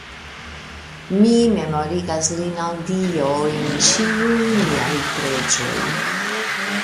Mi memorigas lin al Dio en ĉiuj miaj preĝoj.